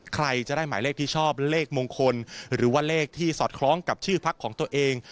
ใครจะได้หมายเลขที่ชอบเลขมงคลหรือว่าเลขที่สอดคล้องกับชื่อพักของตัวเอง